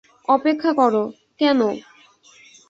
অপেক্ষা কর, কেন?